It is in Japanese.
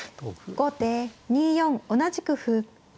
後手２四同じく歩。